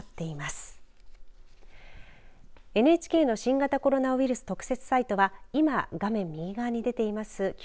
ＮＨＫの新型コロナウイルス特設サイトは今画面右側に出ています